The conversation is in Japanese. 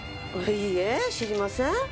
いいえ知りません。